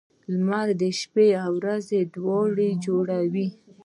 • لمر د شپې او ورځې دورې جوړوي.